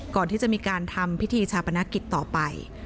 ก่อนที่จะมีการทำพิธีชาปนกิจต่อไป